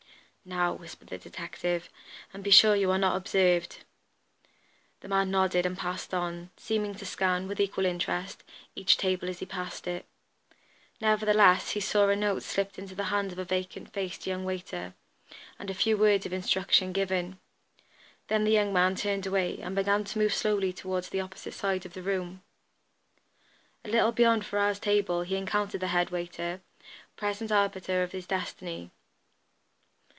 "Now," whispered the detective, "and be sure you are not observed." The man nodded and passed on, seeming to scan, with equal interest, each table as he passed it. Nevertheless, he saw a note slipped into the hand of a vacant faced young waiter, and a few words of instruction given. Then the young man turned away, and began to move slowly toward the opposite side of the room. A little beyond Ferrars' table he encountered the head waiter, present arbiter of his destiny.